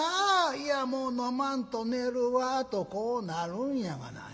いやもう飲まんと寝るわ』とこうなるんやがな。